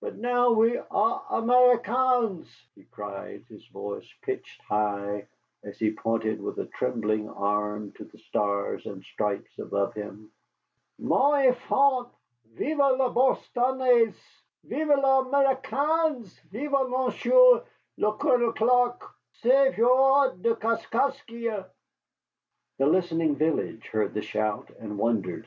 But now we are Américains," he cried, his voice pitched high, as he pointed with a trembling arm to the stars and stripes above him. "Mes enfants, vive les Bostonnais! Vive les Américains! Vive Monsieur le Colonel Clark, sauveur de Kaskaskia!" The listening village heard the shout and wondered.